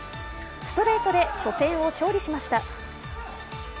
ストレートで初戦を勝利しました。